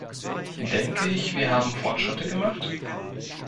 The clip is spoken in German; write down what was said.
Denke ich, wir haben Fortschritte gemacht?